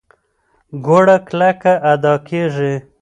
ګړه کلکه ادا کېږي.